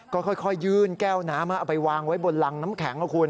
ก็ค่อยยื่นแก้วน้ำเอาไปวางไว้บนรังน้ำแข็งนะคุณ